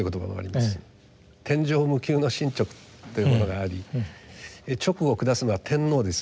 「天壌無窮の神勅」というものがあり勅を下すのは天皇です。